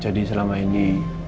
jadi selama ini